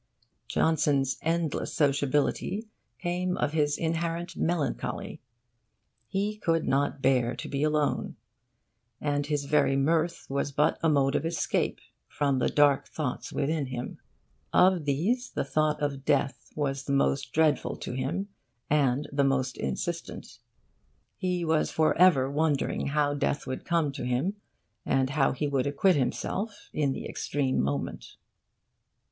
Johnson's endless sociability came of his inherent melancholy: he could not bear to be alone; and his very mirth was but a mode of escape from the dark thoughts within him. Of these the thought of death was the most dreadful to him, and the most insistent. He was for ever wondering how death would come to him, and how he would acquit himself in the extreme moment.